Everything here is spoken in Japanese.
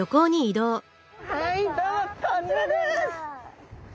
はいどうぞこちらです！